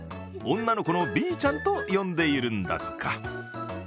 女の子のＢちゃんと呼んでいるんだとか。